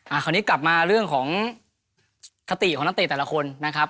คราวนี้กลับมาเรื่องของคติของนักเตะแต่ละคนนะครับ